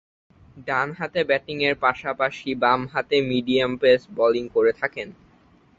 ডানহাতে ব্যাটিংয়ের পাশাপাশি বামহাতে মিডিয়াম পেস বোলিং করে থাকেন।